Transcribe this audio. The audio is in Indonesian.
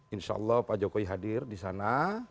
insya allah pak jokowi hadir disana